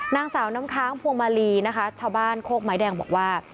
นางสาวน้ำค้างพวงมาลีนะคะชาวบ้านโคกไม้แดงบอกว่า